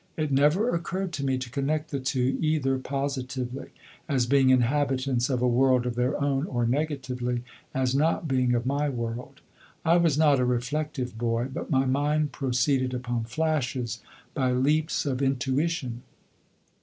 It never occurred to me to connect the two either positively, as being inhabitants of a world of their own, or negatively, as not being of my world. I was not a reflective boy, but my mind proceeded upon flashes, by leaps of intuition.